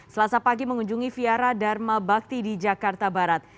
selasa pagi mengunjungi viara dharma bakti di jakarta barat